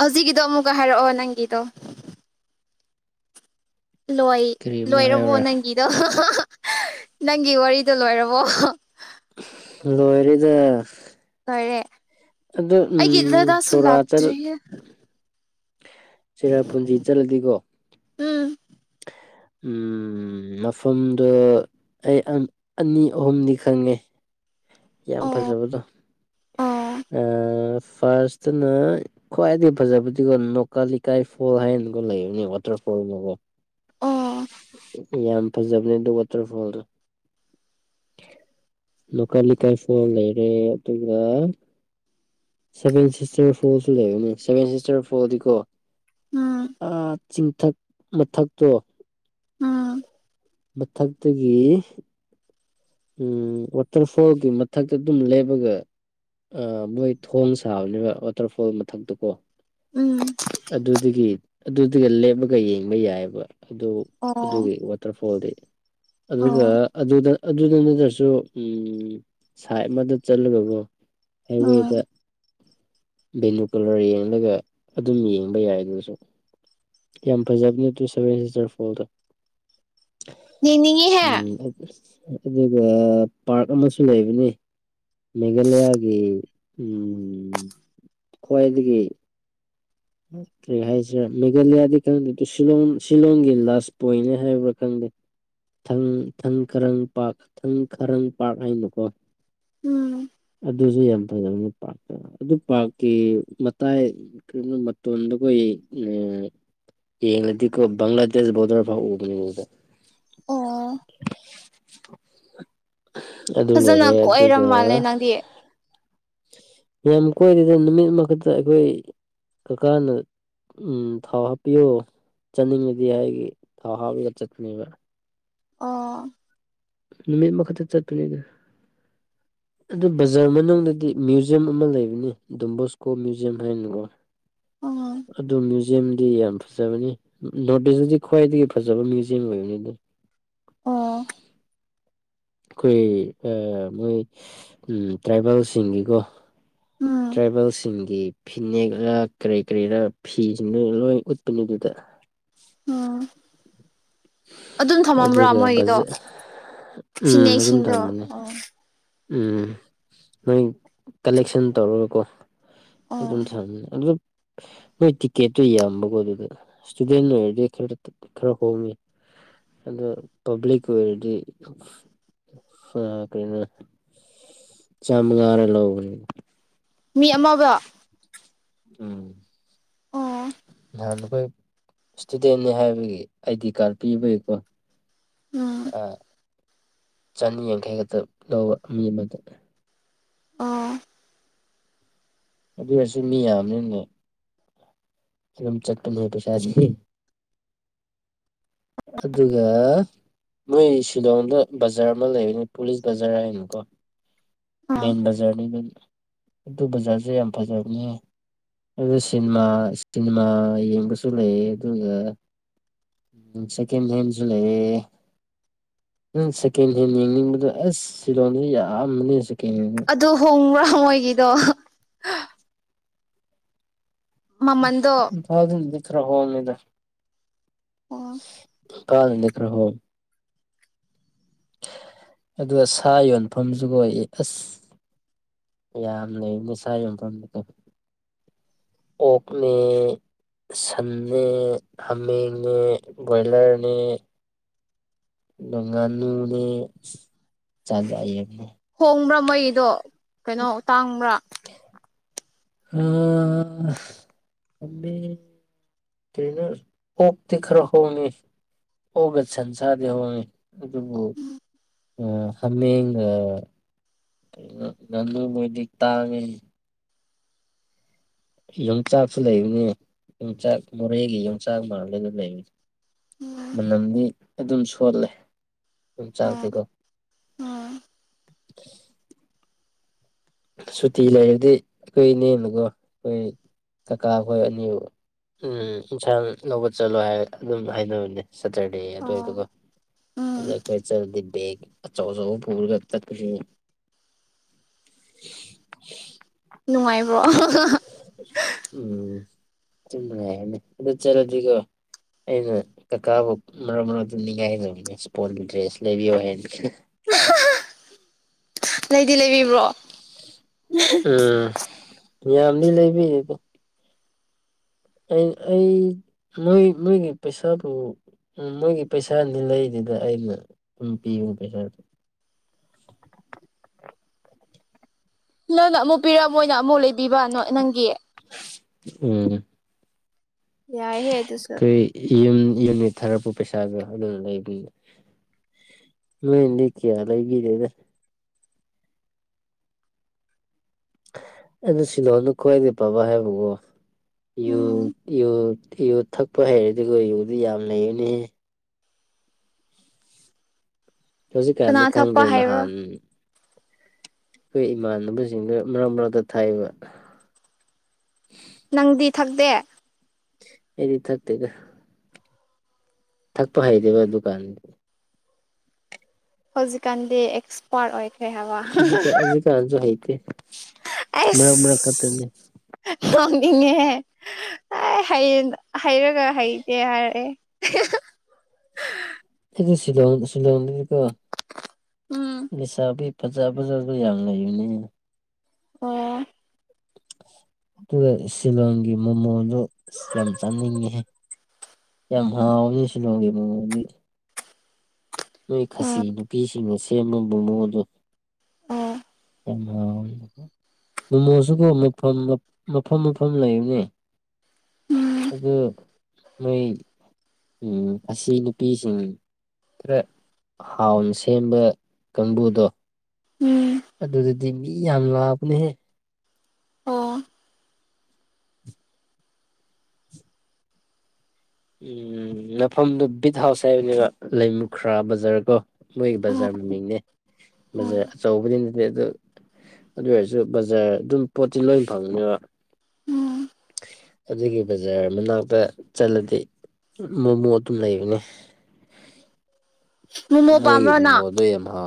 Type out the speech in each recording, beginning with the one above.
ꯍꯧꯖꯤꯒꯤꯗꯣ ꯑꯃꯨꯛꯀ ꯍꯥꯏꯔꯛꯑꯣ ꯅꯪꯒꯤꯗꯣ ꯂꯣꯏ ꯀꯔꯤ ꯑꯃ ꯂꯣꯏꯔꯕꯣ ꯍꯥꯏꯌꯨꯔꯥ ꯅꯪꯒꯤꯗꯣ ꯅꯪꯒꯤ ꯋꯥꯔꯤꯗꯣ ꯂꯣꯏꯔꯕꯣ ꯂꯣꯏꯔ‌ꯦꯗ ꯂꯣꯏꯔꯦ ꯑꯗ‌ꯣ ꯎꯝ ꯑꯩꯒꯤꯗꯨꯗꯁꯨ ꯁꯣꯔꯥꯠꯆꯠ ꯂꯥꯛꯇ꯭ꯔꯤꯌꯦ ꯆꯤꯔꯥ ꯄꯨꯟꯁꯤ ꯆꯠꯂꯗꯤꯀꯣ ꯎꯝ ꯎꯝ ꯎꯝ ꯃꯐꯝꯗ‌ꯣ ꯑꯩ ꯑꯅꯤ ꯑꯍꯨꯝꯗꯤ ꯈꯪꯉꯦ ꯌꯥꯝ ꯑꯣ ꯐꯖꯕꯗꯣ ꯑꯣ ꯑ ꯐꯥꯔꯁꯇꯅ ꯈ꯭ꯋꯥꯏꯗꯒꯩ ꯐꯖꯕꯗꯤꯀꯣ ꯅꯣꯀꯥ ꯂꯩꯀꯥꯏ ꯐꯣꯜ ꯍꯥꯏꯅꯒꯣ ꯂꯩꯕꯅꯤ ꯋꯥꯇꯔ ꯍꯣꯏ ꯃꯉꯣ ꯑꯣ ꯌꯥꯝ ꯐꯖꯕꯅꯦ ꯑꯗꯨ ꯋꯥꯇꯔꯐꯣꯜꯗꯣ ꯂꯣꯀꯜ ꯂꯩꯀꯥꯏꯐꯣ ꯂꯩꯔꯦ ꯑꯗꯨꯒ ꯁꯚꯦꯟ ꯁꯤꯁꯇꯔ ꯐꯣꯔꯁꯨ ꯂꯩꯕꯅꯦ ꯁꯦꯚꯦꯟ ꯁꯤꯁꯇꯔ ꯐꯣꯔꯗꯤꯀꯣ ꯎꯝ ꯆꯤꯡꯊꯛ ꯃꯊꯛꯇꯣ ꯎꯝ ꯃꯊꯛꯇꯒꯤ ꯎꯝ ꯋꯥꯇꯔꯐꯣꯜꯒꯤ ꯃꯊꯛꯇ ꯑꯗꯨꯝ ꯂꯦꯞꯄꯒ ꯑ ꯃꯣꯏ ꯊꯣꯡ ꯁꯥꯕꯅꯦꯕ ꯋꯥꯇꯔꯐꯣꯜ ꯃꯊꯛꯇꯀꯣ ꯎꯝ ꯑꯗꯨꯗꯒꯤ ꯑꯗꯨꯗꯨꯒ ꯂꯦꯞꯄꯒ ꯌꯦꯡꯕ ꯌꯥꯏꯑꯕ ꯑꯗꯨ ꯑꯣ ꯑꯗꯨꯒꯤ ꯋꯥꯇꯔꯐꯣꯜꯗꯤ ꯑꯗꯨꯒ ꯑꯣ ꯑꯗꯨꯗ ꯑꯗꯨꯗ ꯅꯠꯇ꯭ꯔꯁꯨ ꯎꯝ ꯁꯥꯏꯠ ꯑꯃꯗ ꯆꯠꯂꯒꯀꯣ ꯎꯝ ꯍꯥꯏꯋꯦꯗ ꯚꯦꯂꯨ ꯀꯂꯔ ꯌꯦꯡꯂꯒ ꯑꯗꯨꯝ ꯌꯦꯡꯕ ꯌꯥꯏ ꯑꯗꯨꯁꯨ ꯌꯥꯝ ꯐꯖꯕꯅꯦ ꯑꯗꯨꯨ ꯁꯚꯦꯟ ꯁꯤꯇꯔ ꯐꯣꯜꯗꯣ ꯌꯦꯡꯅꯤꯡꯉꯤꯍꯦ ꯎꯝ ꯑꯗꯨ ꯑꯗꯨꯒ ꯄꯥꯔꯛ ꯑꯃꯁꯨ ꯂꯩꯕꯅꯤ ꯃꯦꯘꯥꯂꯌꯥꯒꯤ ꯎ ꯈ꯭ꯋꯥꯏꯗꯒꯤ ꯍꯥꯏꯁꯤꯔꯥ ꯃꯦꯘꯂꯌꯥꯗꯤ ꯈꯪꯗꯦ ꯑꯗꯨ ꯁꯤꯂꯣꯡ ꯁꯤꯂꯣꯡꯒꯤ ꯂꯥꯁ ꯄꯣꯏꯟꯅꯤ ꯍꯥꯏꯕ꯭ꯔꯥ ꯈꯪꯗꯦ ꯊꯪ ꯈꯔꯪ ꯄꯥꯔ ꯊꯪ ꯈꯔꯪ ꯄꯥꯔ ꯍꯥꯏꯅꯀꯣ ꯎꯝ ꯑꯗꯨꯁꯨ ꯌꯥꯝ ꯐꯖꯕꯅꯦ ꯄꯥꯔꯛꯇ ꯑꯗꯨ ꯄꯥꯔꯛꯀꯤ ꯃꯇꯥꯏ ꯀꯔꯤ ꯇꯗꯨꯀ ꯎ ꯌꯦꯗꯤꯛ ꯒ꯭ꯂꯥꯗꯦ ꯣꯗ꯭ꯔ ꯐꯥꯎꯕꯅꯤ ꯍꯗ ꯑꯣ ꯑꯗꯨ ꯐꯖꯅ ꯂꯩꯔꯦ ꯀꯣꯏꯔ ꯑꯗꯨꯒ ꯃꯥꯜꯂꯦ ꯅꯪꯗꯤ ꯌꯥꯝ ꯀꯣꯏꯔꯤꯗ ꯅꯨꯃꯤꯠ ꯃꯛꯇ ꯑꯩꯈꯣꯏ ꯀꯀꯥꯅ ꯎꯝ ꯊꯥꯎ ꯍꯥꯞꯄꯤꯌꯨ ꯆꯠꯅꯤꯡꯉꯗꯤ ꯍꯥꯏꯒ ꯊꯥꯎ ꯍꯥꯞꯂꯒ ꯆꯠꯅꯦꯕ ꯑ ꯅꯨꯃꯤꯠ ꯃꯈꯛꯇ ꯆꯠꯄꯅꯦꯒ [inaudible] ꯑꯗꯨ ꯕꯖꯥꯔ ꯃꯅꯨꯡꯗꯗꯤ ꯃ꯭ꯌꯨꯖꯝ ꯑꯃ ꯂꯩꯕꯅꯤ ꯗꯨꯣꯝꯕꯣꯁꯀꯣ ꯃ꯭ꯌꯨꯖꯤꯌꯝ ꯍꯥꯏꯅꯀꯣ ꯎꯝ ꯑꯗꯨ ꯃ꯭ꯌꯨꯖꯤꯝꯗꯤ ꯌꯥꯝ ꯐꯖꯕꯅꯤ ꯅꯣꯔꯠ ꯏꯁꯇꯗꯤ ꯈ꯭ꯋꯥꯏꯗꯒꯤ ꯐꯖꯕ ꯃ꯭ꯌꯨꯖꯌꯝ ꯑꯣꯏꯕꯅꯤ ꯑꯗꯨ ꯑꯣ ꯑꯩꯈꯣꯏ ꯃꯣꯏ ꯇ꯭ꯔꯥꯏꯕꯦꯜꯁꯤꯡꯒꯤꯀꯣ ꯎꯝ ꯇ꯭ꯔꯥꯏꯕꯦꯜꯁꯤꯡꯒꯤ ꯐꯤꯅꯦꯛꯔ ꯀꯔꯤ ꯀꯔꯤꯔ ꯐꯤꯁꯤꯡꯗꯨ ꯂꯣꯏ ꯎꯠ ꯄꯨꯅꯗꯤꯗ ꯎꯝ ꯑꯗꯨꯝ ꯊꯝꯃꯝꯕ꯭ꯔꯥ ꯑꯗꯨꯒ ꯃꯣꯏꯒꯤꯗꯣ ꯕꯖ ꯎꯝ ꯑꯗꯨꯝ ꯐꯤꯅꯦꯛꯁꯤꯡꯗꯣ ꯊꯝꯕꯅꯦ ꯑꯣ ꯎꯝ ꯅꯣꯏ ꯀꯂꯦꯛꯁꯟ ꯇꯧꯔꯒꯀꯣ ꯑꯣ ꯑꯗꯨ ꯊ ꯑꯗꯨ [inaudible] ꯅꯣꯏ ꯇꯤꯛꯀꯦꯠꯇꯣ ꯌꯥꯝꯕꯀꯣ ꯑꯗꯨꯗ ꯏꯁꯇꯨꯗꯦꯟ ꯑꯣꯏꯔꯗꯤ ꯈꯔ ꯈꯔ ꯍꯣꯡꯉꯤ ꯑꯗꯣ ꯄꯕꯂꯤꯛ ꯑꯣꯏꯔꯗꯤꯅ ꯆꯃꯒꯔꯦ ꯂꯧꯕ ꯃꯤ ꯑꯃꯒ ꯎꯝ ꯑꯣ ꯅꯍꯥꯟ ꯑꯩꯈꯣꯏ ꯏꯁꯇꯨꯗꯦꯅꯤ ꯍꯥꯏꯕꯒꯤ ꯑꯥꯏꯗꯤ ꯀꯥꯔꯗ ꯄꯤꯕꯒꯤꯀꯣ ꯎꯝ ꯑ ꯆꯅꯤ ꯌꯥꯡꯈꯩ ꯈꯛꯇ ꯂꯧꯕ ꯃꯤ ꯑꯃꯗ ꯑꯣ ꯑꯗꯨ ꯑꯣꯏꯔꯁꯨ ꯃꯤ ꯌꯥꯝꯅꯤꯅꯦ ꯐ ꯑꯗꯨꯝ ꯆꯠꯄ ꯂꯩ ꯄꯩꯁꯥꯁꯤ ꯑꯗꯨꯒ ꯃꯣꯏ ꯁꯤꯂꯣꯡꯗ ꯕꯖꯥꯔ ꯑꯃ ꯂꯩꯕꯅꯤ ꯄꯨꯂꯤꯁ ꯕꯖꯥꯔ ꯍꯥꯏꯅꯀꯣ ꯑꯣ ꯃꯦꯟ ꯕꯖꯥꯔꯅꯤ ꯑꯗꯨ ꯕꯖꯥꯔꯁꯦ ꯌꯥꯝ ꯐꯖꯕꯅꯦ ꯑꯗꯨ ꯁꯤꯅꯦꯃꯥ ꯁꯤꯅꯦꯃꯥ ꯌꯦꯡꯕꯁꯨ ꯂꯩ ꯑꯗꯨꯒ ꯎꯝ ꯁꯦꯀꯦꯟ ꯍꯦꯟꯁꯨ ꯂꯩꯌꯦ ꯅꯪ ꯁꯦꯀꯦꯟ ꯍꯦꯟ ꯌꯦꯡꯅꯤꯡꯕꯗꯣ ꯑꯁ ꯁꯤꯂꯣꯡꯁꯦ ꯌꯥꯝꯕꯅꯦ ꯁꯦꯀꯦꯟ ꯍꯦꯟ ꯑꯗꯨ ꯍꯣꯡꯕ꯭ꯔꯥ ꯃꯣꯏꯒꯤꯗꯣ ꯃꯃꯟꯗꯣ ꯐ ꯈ꯭ꯔ ꯍꯣꯡꯉꯤꯗ ꯑꯣ ꯀꯥꯅ ꯈꯔꯥ ꯍꯣꯡꯉꯦ ꯑ ꯁꯥ ꯌꯣꯟꯐꯝꯁꯨ ꯀꯣꯛꯏ ꯑꯁ ꯌꯥꯝ ꯂꯩ ꯅꯤꯁꯥꯒꯤ ꯃꯐꯝꯗ ꯑꯣꯛꯅꯦ ꯁꯟꯅꯦ ꯍꯥꯃꯦꯡꯅꯦ ꯕꯣꯏꯂꯔꯅꯦ ꯉꯥꯅꯨꯅꯦ ꯆ ꯍꯥꯏ ꯍꯣꯡꯕ꯭ꯔꯥ ꯃꯩꯗꯣ ꯀꯩꯅꯣ ꯇꯥꯡꯕ꯭ꯔꯥ ꯑ ꯑꯃꯦ ꯀꯅ ꯑꯣ ꯇꯤ ꯈꯔ ꯍꯅꯤ ꯑꯣꯒ ꯁꯟꯁꯥꯗꯣꯅꯤ ꯍꯣꯡꯏ ꯑꯗꯨꯕꯨ ꯑ ꯍꯥꯃꯦꯡꯒ ꯉꯥꯅꯨ ꯃꯣꯏꯗꯤ ꯇꯥꯡꯉꯤ ꯌꯣꯡꯆꯥꯛꯁꯨ ꯂꯩꯕꯅꯦ ꯌꯣꯡꯆꯥꯛ ꯃꯣꯔꯦꯒꯤ ꯌꯣꯡꯆꯥꯛ ꯃꯂ ꯑꯗꯨ ꯂꯩꯕꯅꯦ ꯎꯝ ꯃꯅꯝꯗꯤ ꯑꯗꯨꯝ ꯁꯣꯜꯂꯦ ꯌꯣꯡꯆꯥꯛꯇꯤ ꯑꯣ ꯀꯣ ꯎꯝ ꯁꯨꯇꯤ ꯂꯩꯔꯗꯤ ꯀꯈꯣꯏ ꯏꯅꯦꯅꯀꯣ ꯑꯩꯈꯣꯏ ꯀꯥꯀꯥ ꯑꯩꯈꯣꯏ ꯑꯅꯤ ꯎꯝ ꯏꯟꯁꯥꯡ ꯂꯧꯕ ꯆꯠꯂꯣꯏ ꯍꯥꯏꯔ ꯑꯗꯨꯝ ꯍꯥꯏꯅꯕꯅꯦ ꯁꯇꯔꯗꯦ ꯑꯣ ꯑꯗꯨꯋꯥꯏꯗꯨꯒ ꯑꯗ ꯎꯝ ꯈꯣꯏ ꯆꯠꯂꯗꯤ ꯕꯦꯒ ꯑꯆꯧ ꯑꯆꯧꯕ ꯄꯨꯔꯒ ꯆꯠꯀ ꯅꯨꯡꯉꯥꯏꯕ꯭ꯔꯣ ꯎꯝ ꯆꯨꯝꯃ ꯆꯂꯗꯤꯒ ꯑꯩꯅ ꯀꯀꯥꯕꯨ ꯃꯔꯛ ꯃꯔꯛꯇ ꯅꯤꯡꯉꯥꯏꯕꯅꯦ ꯏꯁꯄꯣꯔꯠꯕꯨ ꯗ꯭ꯔꯦꯁ ꯂꯩꯕꯤꯌꯣ ꯍꯥꯏꯅꯤ [unintelligible] ꯂꯩꯗꯤ ꯂꯩꯕꯤꯕ꯭ꯔꯣ ꯎꯝ ꯌꯥꯝꯗꯤ ꯂꯩꯕꯤ ꯑꯗꯣ ꯑꯩ ꯑꯩ ꯃꯣꯏ ꯃꯣꯏꯒꯤ ꯄꯩꯁꯥꯕꯨ ꯎꯝ ꯃꯣꯏꯒꯤ ꯄꯩꯁꯥꯅꯤ ꯂꯩꯗꯨꯗ ꯑꯩꯅ ꯑꯗꯨꯝ ꯄꯤꯌꯨ ꯄꯩꯁꯥꯗꯨ [unintelligible] ꯅꯪꯅ ꯑꯃꯨꯛ ꯄꯤꯔꯛꯑ ꯃꯣꯏꯅ ꯑꯃꯨꯛ ꯂꯩꯕꯤꯕ ꯅꯪꯒꯤ ꯎꯝ ꯌꯥꯏꯍꯦ [unintelligible] ꯑꯗꯨꯁꯨ ꯗꯣ ꯑꯗꯨꯝ ꯂꯩꯕꯤꯌ ꯅꯣꯏꯗꯤ ꯀꯌꯥ ꯂꯩꯕꯤꯔꯦꯗ ꯑꯩꯅ ꯁꯤꯜꯅꯣꯅ ꯈꯣꯏꯋꯥꯏꯗꯤ ꯄꯥꯕꯥ ꯍꯥꯏꯕꯨꯡꯉꯣ ꯎꯝ ꯌꯨ ꯊꯛꯄ ꯍꯩꯔꯗꯤ ꯌꯨꯗꯤ ꯌꯥꯝ ꯂꯩꯔꯅꯤ ꯍꯧꯖꯤꯛ ꯀꯥꯟꯅꯤ ꯀꯅꯥ ꯊꯛꯄ ꯈꯪꯗ꯭ꯔꯦ ꯍꯩꯕ꯭ꯔꯣ ꯅꯍꯥꯟ ꯑꯩꯈꯣꯏ ꯏꯃꯥꯟꯅꯕꯁꯤꯡꯗꯨ ꯃꯔꯛ ꯃꯔꯛꯇ ꯊꯥꯏꯕ ꯅꯪꯗꯤ ꯊꯛꯇꯦ ꯑꯩꯗꯤ ꯊꯥꯛꯇꯦꯗ ꯊꯛꯄ ꯍꯩꯗꯦꯕ ꯗꯨꯀꯥꯟ ꯍꯧꯖꯤꯛꯀꯥꯟꯗꯤ ꯑꯦꯛꯁꯄꯥꯔꯠ ꯑꯣꯏ ꯍꯧꯖꯤꯀꯟ ꯍꯧꯖꯤꯀꯥꯟꯁꯨ ꯍꯩꯇꯦ ꯃꯔꯛ ꯃꯔꯛ ꯈꯛꯇꯅꯤ ꯑꯁ ꯂꯣꯡꯉꯦ ꯑꯩ ꯍꯩꯔ ꯍꯩꯔꯒ ꯍꯩꯇꯦ ꯍꯥꯏꯔꯑꯦ [unintelligible] ꯁꯤꯂꯣꯡ ꯁꯤꯂꯣꯡꯗꯀꯣ ꯎꯝ ꯅꯤꯁꯥꯕꯤ ꯐꯖ ꯐꯖꯁꯨ ꯌꯥꯝ ꯂꯩꯕꯅꯦ ꯑꯣ ꯑꯗꯨꯒ ꯁꯤꯂꯣꯡꯒꯤ ꯃꯣꯃꯣꯗꯣ ꯌꯥꯝ ꯆꯥꯅꯤꯡꯉꯤ ꯌꯥꯝ ꯍꯥꯥꯎꯅꯤ ꯁꯤꯂꯣꯡꯒꯤ ꯃꯣꯃꯣꯗꯤ ꯅꯣꯏ ꯈꯥꯁꯤ ꯎꯝ ꯅꯨꯄꯤꯁꯤꯡꯅ ꯁꯦꯝꯕ ꯃꯣꯃꯣ ꯑꯗꯨ ꯑꯣ [unintelligible] ꯃꯣꯃꯣꯁꯤꯒ ꯃꯐꯝ ꯃꯐꯝ ꯂꯩꯕꯅꯤ ꯑꯗꯨ ꯃꯣꯏ ꯑꯁꯤ ꯅꯨꯄꯤꯁꯤꯡ ꯈ꯭ꯔ ꯍꯥꯎꯅ ꯁꯦꯝꯕ ꯀꯥꯡꯕꯨꯗꯣ ꯎꯝ ꯑꯗꯨꯗꯨꯗꯤ ꯃꯤ ꯌꯥꯝ ꯂꯥꯛꯑꯕꯅꯦꯍꯦ ꯑꯣ ꯎꯝ ꯃꯐꯝꯗꯨ ꯕꯤꯠ ꯍꯥꯎꯁ ꯍꯥꯏꯕꯅꯦꯕ ꯂꯩꯃꯨꯈ꯭ꯔꯥ ꯕꯖꯥꯔ ꯀꯣ ꯃꯣꯏꯒꯤ ꯎꯝ ꯕꯖꯥꯔ ꯃꯃꯤꯡꯅꯦ ꯕꯖꯥꯔ ꯑꯆꯧꯕꯗꯤ ꯑꯗꯩ ꯑꯗꯨ ꯑꯗꯨ ꯑꯣꯏꯔꯁꯨ ꯕꯖꯥꯔ ꯑꯗꯨꯝ ꯄꯣꯠꯇꯤ ꯂꯣꯏ ꯐꯪꯅꯦꯕ ꯑꯗꯨꯒꯤ ꯕꯖꯥꯔ ꯃꯅꯥꯛꯇ ꯆꯠꯂꯗꯤ ꯃꯣꯃꯣ ꯑꯗꯨꯝ ꯂꯩꯕꯅꯦ [unintelligible] ꯃꯣꯃꯣ ꯄꯥꯝꯕ꯭ꯔꯣ ꯃꯒꯤꯃ ꯅꯪ ꯑꯗꯨ ꯌꯥꯝꯦꯝ ꯍꯥ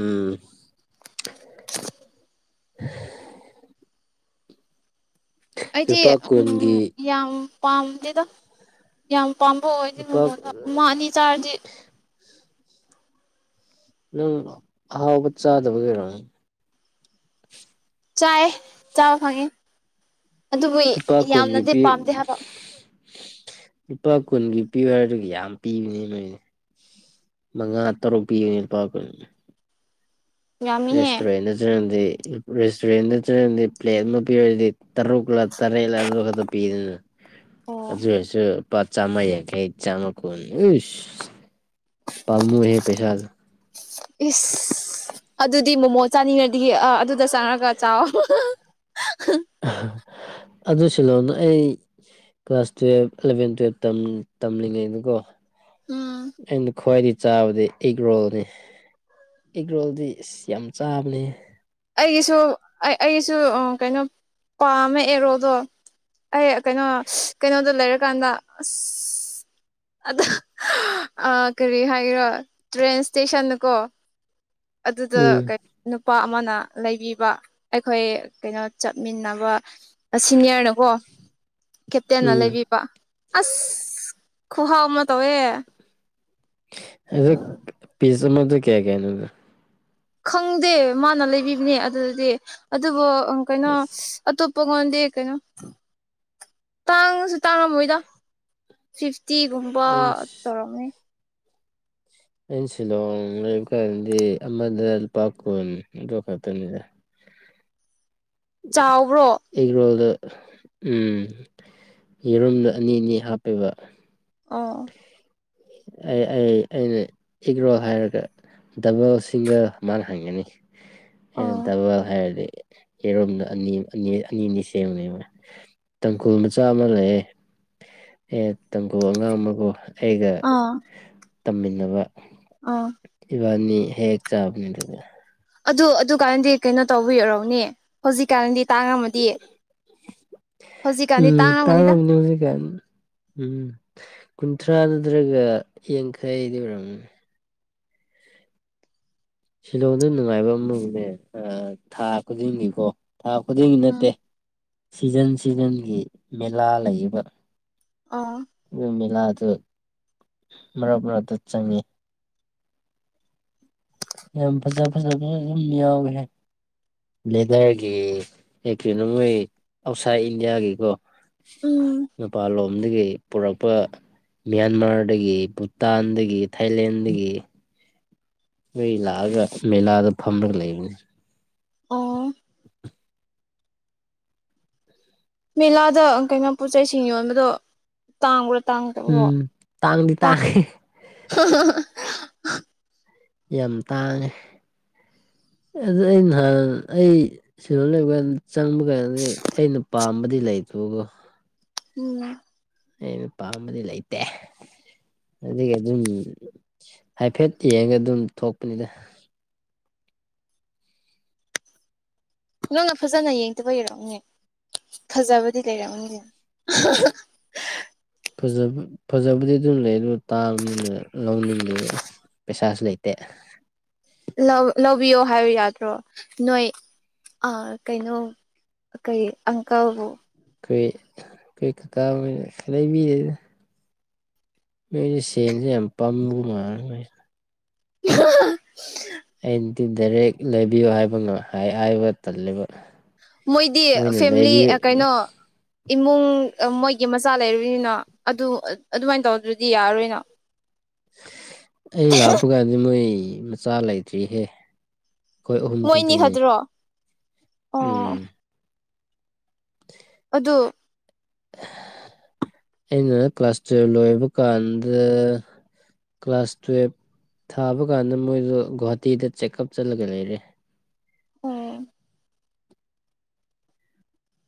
ꯎꯝ ꯑꯩꯗꯤ ꯂꯨꯄꯥ ꯎꯝ ꯀꯨꯟꯒꯤ ꯌꯥꯝ ꯄꯥꯝꯗꯦꯗ ꯌꯥꯝ ꯑꯄꯥꯝꯕ ꯑꯣꯏꯗ ꯂꯨꯄꯥ ꯃꯉꯣꯟꯗꯃ ꯑꯅꯤ ꯆꯥꯔꯗꯤ ꯅꯪ ꯍꯥꯎꯕ ꯆꯥꯗꯕ ꯀꯩꯅꯣꯅꯦ ꯆꯥꯏ ꯆꯥ ꯐꯉꯦ ꯑꯗꯨꯕꯨ ꯂꯨꯄꯥ ꯀꯨꯟꯒꯤ ꯌꯥꯝꯅꯗꯤ ꯄꯤ ꯄꯥꯝꯗꯦ ꯍꯥꯏꯕ ꯂꯨꯄꯥ ꯀꯨꯟꯒꯤ ꯄꯤꯌꯨ ꯍꯥꯏꯗꯨꯒꯤ ꯌꯥꯝ ꯄꯤꯕꯅꯤ ꯅꯣꯏꯅꯦ ꯃꯉꯥꯡ ꯑꯇꯩ ꯔ ꯄꯤ ꯄ ꯌꯥꯝꯃꯤꯍꯦ ꯔꯦꯁꯇꯨꯔꯦꯟꯗꯠ ꯆꯠꯗꯤ ꯔꯦꯁꯇꯨꯔꯦꯟꯗ ꯆꯠꯔꯗꯤ ꯄ꯭ꯂꯦꯠ ꯑꯃ ꯄꯤꯔꯗꯤ ꯇꯔꯨꯛꯂ ꯇꯔꯦꯠꯂ ꯑꯗꯨ ꯈꯛꯇ ꯄꯤꯗꯅ ꯑꯣ ꯑꯗꯨ ꯑꯣꯏꯔꯁꯨ ꯄ ꯆꯥ ꯑꯃ ꯌꯥꯡ ꯀꯦ ꯏꯆꯥ ꯑꯃ ꯀꯅꯤꯁ ꯄꯥꯝꯃꯨꯍꯦ ꯄꯦꯁꯥꯜ ꯏꯁꯁ ꯑꯗꯨꯗꯤ ꯃꯣꯃꯣ ꯆꯥꯅꯤꯡꯉꯗꯤ ꯑꯗꯨ ꯆꯅꯒ ꯆ [unintelligible] ꯑꯗꯨ ꯁꯤꯂꯣꯅ ꯑꯩ ꯀ꯭ꯂꯥꯁ ꯇꯨꯌꯦꯜꯞ ꯑꯦꯂꯚꯦꯟ ꯇꯨꯌꯦꯜꯞ ꯇꯝꯂꯤꯉꯩꯗꯀꯣ ꯑ ꯈ꯭ꯋꯥꯏꯔꯤ ꯆꯥꯕꯗꯤ ꯑꯦꯒ ꯔꯣꯜꯅꯤ ꯑꯦꯒ ꯔꯣꯜꯗꯤ ꯑ ꯌꯥꯝ ꯆꯥꯕꯅꯤ ꯑꯩꯒꯤꯁꯨ ꯑꯩꯒꯤꯁꯨ ꯀꯩꯅꯣ ꯄꯥꯝꯃꯦ ꯑꯦꯔꯣꯗꯣ ꯑꯦ ꯀꯩꯅꯣ ꯀꯩꯅꯣꯗ ꯂꯩꯔꯀꯥꯟꯗ ꯑ ꯑ ꯀꯔꯤ ꯍꯥꯏꯈ꯭ꯔꯣ ꯇ꯭ꯔꯦꯟ ꯏꯁꯇꯦꯁꯟꯅꯨꯀꯣ ꯑꯗꯨꯗ ꯎꯝ ꯀꯩꯅ ꯅꯨꯄꯥ ꯑꯃꯅ ꯂꯩꯕꯤꯕ ꯑꯩꯈꯣꯏ ꯀꯩꯅꯣ ꯆꯠꯃꯤꯟꯅꯕ ꯁꯤꯅꯤꯌꯔꯅꯀꯣ ꯎ ꯀꯦꯞꯇꯦꯟꯅ ꯎꯝ ꯂꯩꯕꯤꯕ ꯑꯁ ꯈꯨꯍꯥꯎ ꯑꯃ ꯇꯧꯋꯦ ꯑꯗꯣ ꯄꯤꯖꯥ ꯃꯗ ꯀꯌꯥ ꯀꯅꯣ ꯈꯪꯗꯦ ꯃꯥꯅ ꯂꯩꯕꯤꯕꯅꯦ ꯑꯗꯨꯗꯤ ꯑꯗꯨꯕꯨ ꯀꯩꯅꯣ ꯑꯁ ꯑꯇꯣꯞ ꯄꯪꯉꯣꯟꯗꯦ ꯀꯩꯅꯣ ꯇꯥꯡꯉꯁꯨ ꯇꯥꯡꯉꯝꯃꯣꯏꯗ ꯁꯤ ꯇꯤꯒꯨꯝꯕ ꯑꯩꯁ ꯇꯧꯔꯝꯅꯤ ꯑꯩꯅ ꯁꯤꯂꯣꯡ ꯂꯩꯕ ꯀꯥꯟꯗꯗꯤ ꯑꯃꯗ ꯂꯨꯄꯥ ꯀꯨꯟ ꯑꯗꯨ ꯈꯛꯇꯅꯤꯗ꯫ ꯆꯥꯎꯕ꯭ꯔꯣ꯫ ꯑꯦꯛ ꯔꯣꯜꯗ ꯎꯝ ꯌꯦꯔꯨꯝꯗꯣ ꯑꯅꯤ ꯑꯅꯤ ꯍꯥꯞꯄꯦꯕ꯫ ꯑꯥ ꯑꯩ ꯑꯩ ꯑꯩꯅ ꯑꯦꯒ꯭ꯔꯣ ꯍꯥꯏꯔꯒ ꯗꯕꯜ ꯁꯤꯡꯒꯜ ꯃꯥꯅ ꯍꯪꯒꯅꯤ ꯑꯩꯅ ꯑꯣ ꯇꯕ ꯍꯥꯏꯔꯗꯤ ꯌꯦꯔꯣꯝꯗ ꯑꯅꯤ ꯑꯅꯤꯅꯤ ꯁꯦꯝꯕꯅꯦꯕ ꯇꯥꯡꯀꯨꯜ ꯃꯆꯥ ꯑꯃ ꯂꯩꯑ ꯑꯦ ꯇꯥꯡꯀꯨꯜ ꯑꯉꯥꯡ ꯑꯃꯕꯨ ꯑꯩꯒ ꯑꯥ ꯇꯝꯃꯤꯟꯅꯕ ꯑꯥ ꯐꯅꯤ ꯍꯦꯛ ꯆꯥꯕꯅꯤ ꯑꯗꯨꯗ ꯑꯗꯨ ꯑꯗꯨ ꯀꯥꯟꯟꯗꯤ ꯀꯩꯅꯣ ꯇꯧꯕꯤꯔꯔꯣꯅꯦ ꯍꯧꯖꯤꯛꯀꯥꯟꯟꯗꯤ ꯇꯥꯡ ꯑꯃꯗꯤ ꯎꯝ ꯇ ꯑꯃꯃꯤꯅ ꯍꯧꯁꯤ ꯀꯅꯤ ꯎꯝ ꯀꯨꯟꯊ꯭ꯔꯥ ꯅꯠꯇ꯭ꯔꯒ ꯌꯥꯡꯈꯩꯗꯤ ꯑꯣꯏꯔꯝꯃꯦ ꯁꯤꯂꯣꯡꯗ ꯅꯨꯡꯉꯥꯏꯕ ꯑꯃꯅꯦ ꯊꯥ ꯈꯨꯗꯤꯡꯒꯤꯀꯣ ꯊꯥ ꯈꯨꯗꯤꯡꯒꯤ ꯎꯝ ꯅꯠꯇꯦ ꯁꯤꯖꯟ ꯁꯤꯖꯟꯒꯤ ꯃꯦꯂꯥ ꯂꯩꯕ ꯑꯣ ꯑꯗꯨ ꯃꯦꯂꯥ ꯑꯗꯨ ꯃꯔꯛ ꯃꯔꯛꯇ ꯆꯪꯉꯤ ꯌꯥꯝ ꯐꯖ ꯐꯖ ꯐꯖ ꯑꯗꯨꯝ ꯌꯥꯎꯋꯦ ꯂꯤꯦꯗꯔꯒꯤ ꯀꯩꯅꯣ ꯃꯣꯏ ꯑꯥꯎꯠꯁꯥꯏꯠ ꯏꯟꯗꯤꯌꯥꯒꯤꯀꯣ ꯎꯝ ꯅꯦꯄꯥꯥꯂꯣꯗꯒꯦ ꯄꯨꯔꯛꯄ ꯃꯌꯥꯟꯃꯥꯔꯗꯒꯤ ꯚꯨꯇꯥꯟꯗꯒꯤ ꯊꯥꯏꯂꯦꯟꯗꯒꯤ ꯅꯣꯏ ꯂꯥꯛꯑꯒ ꯃꯦꯂꯥꯗ ꯐꯝꯂꯒ ꯂꯩꯕꯅꯤ ꯑꯣ ꯃꯦꯂꯥꯗ ꯀꯩꯅꯩꯅꯣ ꯄꯣꯠ ꯆꯩꯁꯤꯡ ꯌꯣꯟꯕꯗꯣ ꯇꯥꯡꯕ꯭ꯔꯥ ꯇꯥꯡꯗꯔꯣ ꯎꯝ ꯇꯥꯡꯗꯤ ꯇꯥꯡꯉꯦ ꯌꯥꯝ ꯇꯥꯡꯉꯦ ꯅꯍꯥꯟ ꯑꯩ ꯁꯤ ꯂꯩꯕ ꯆꯪꯕ ꯀꯥꯟꯗꯤ ꯑꯩꯅ ꯄꯥꯝꯕꯗꯤ ꯂꯩꯇꯕꯒ ꯎꯝ ꯑꯩꯅ ꯄꯥꯝꯕꯗꯤ ꯂꯩꯇꯦ ꯑꯗꯨꯗꯒꯤ ꯑꯗꯨꯝ ꯍꯥꯏꯐꯦꯠ ꯌꯦꯡꯉꯒ ꯑꯗꯨꯝ ꯊꯣꯛꯄꯅꯤꯗ ꯅꯪꯅ ꯐꯖꯅ ꯌꯦꯡꯗꯕ ꯌꯔꯛꯅꯦ ꯐꯖꯕꯗꯤ ꯂꯩꯔꯝꯃꯗꯦ ꯐꯖꯕꯗꯤ ꯑꯗꯨꯝ ꯂꯩ ꯑꯗꯨ ꯇꯥꯡꯕꯅꯤꯅ ꯂꯧꯅꯤꯡꯗꯦꯕ ꯄꯩꯁꯥꯁꯨ ꯂꯩꯇꯦ ꯂꯧꯕꯤꯌꯣ ꯍꯥꯏꯌꯨ ꯌꯥꯗ꯭ꯔꯣ ꯅꯣꯏ ꯑ ꯀꯩꯅꯣ ꯀꯩ ꯑꯪꯀꯜ ꯀꯩ ꯀꯇꯥꯕ ꯂꯩ ꯂꯩꯕꯤ ꯅꯣꯏꯁ ꯁꯦꯟꯁꯦ ꯌꯥꯝ ꯄꯥꯝꯕ ꯉꯥꯡꯉꯣꯏꯁꯤ [unintelligible] ꯑꯩꯗꯤ ꯗꯥꯏꯔꯦꯛ ꯂꯩꯕꯤꯌꯨ ꯍꯥꯏꯕ ꯍꯥꯏꯕ ꯇꯜꯂꯦꯕ ꯃꯣꯏꯗꯤ ꯃꯣꯏꯅ ꯐꯦꯂꯤ ꯂꯩꯕꯤꯌꯨ ꯀꯩꯅꯣ ꯏꯃꯨꯡ ꯃꯣꯏꯒꯤ ꯃꯆꯥ ꯂꯩ ꯑꯗꯨꯅ ꯑꯗꯨ ꯑꯗꯨꯃꯥꯏꯅ ꯇꯧꯗ꯭ꯔꯗꯤ ꯌꯥꯔꯣꯏꯅ ꯑꯩ ꯂꯥꯛꯄ ꯀꯥꯟꯗ ꯃꯣꯏ ꯃꯆꯥ ꯂꯩꯇ꯭ꯔꯤꯍꯦ ꯑꯩꯈꯣꯏ ꯑꯍꯨꯝ ꯃꯣꯏꯅꯤ ꯈꯛꯇꯅꯤ ꯈꯛꯇ꯭ꯔꯣ ꯑꯣ ꯎꯝ ꯇꯨ ꯑꯩꯅ ꯀ꯭ꯂꯥꯁ ꯇꯨꯌꯦꯜꯞ ꯂꯣꯏꯕ ꯀꯥꯟꯗ ꯀ꯭ꯂꯥꯁ ꯇꯨꯌꯦꯞ ꯊꯥꯕ ꯀꯥꯟꯗ ꯃꯣꯏꯗ ꯒꯨꯍꯥꯇꯤꯗ ꯆꯦꯛꯑꯞ ꯆꯠꯂꯒ ꯂꯩꯔꯦ꯫ ꯑꯣꯝ